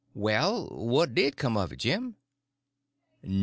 "Well, what did come of it, Jim?"